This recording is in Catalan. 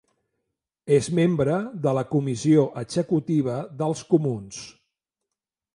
És membre de la comissió executiva dels comuns.